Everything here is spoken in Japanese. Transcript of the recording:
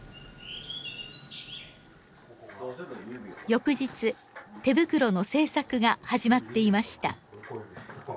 翌日手袋の制作が始まっていました。